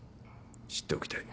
知っておきたい。